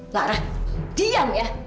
lara diam ya